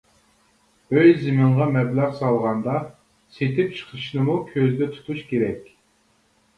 ئۆي-زېمىنغا مەبلەغ سالغاندا سېتىپ چىقىرىشنىمۇ كۆزدە تۇتۇش كېرەك.